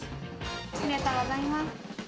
ありがとうございます。